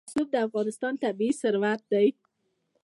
رسوب د افغانستان طبعي ثروت دی.